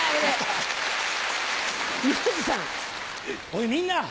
おいみんな！